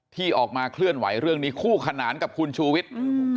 ที่ออกมาเคลื่อนไหวเรื่องนี้คู่ขนานกับคุณชูวิทย์